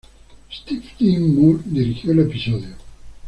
Steven Dean Moore dirigió el episodio.